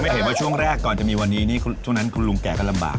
เห็นว่าช่วงแรกก่อนจะมีวันนี้นี่ช่วงนั้นคุณลุงแก่ก็ลำบาก